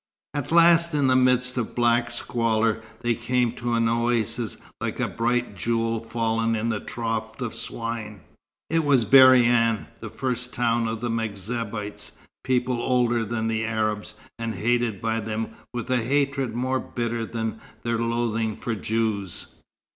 At last, in the midst of black squalor, they came to an oasis like a bright jewel fallen in the trough of swine. It was Berryan, the first town of the M'Zabites, people older than the Arabs, and hated by them with a hatred more bitter than their loathing for Jews.